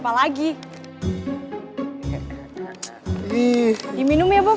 tulang gue mau patah nih kayaknya